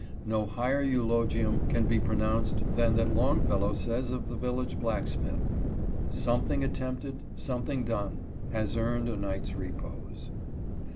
No higher eulogium can be pronounced than that Long fellow says of the Village Blacksmith :—" Something attempted, something done, Has earned a night's repose."